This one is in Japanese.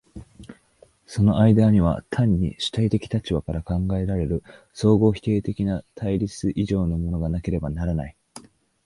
その間には単に主体的立場から考えられる相互否定的対立以上のものがなければならない。